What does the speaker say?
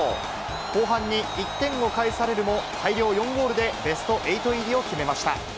後半に１点を返されるも、大量４ゴールでベスト８入りを決めました。